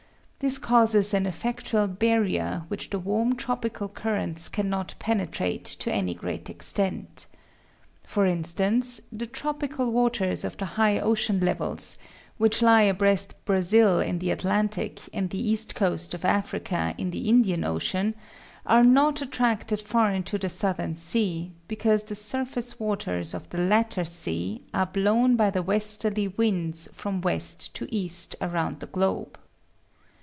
This causes an effectual barrier, which the warm tropical currents cannot penetrate to any great extent. For instance, the tropical waters of the high ocean levels, which lie abreast Brazil in the Atlantic and the east coast of Africa in the Indian Ocean, are not attracted far into the southern sea, because the surface waters of the latter sea are blown by the westerly winds from west to east around the globe.